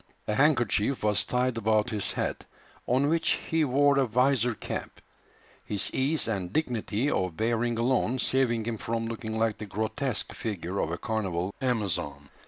A handkerchief was tied about his head, on which he wore a visor cap, his ease and dignity of bearing alone saving him from looking like the grotesque figure of a carnival amazon.